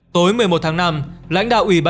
tối một mươi một tháng năm lãnh đạo ủy ban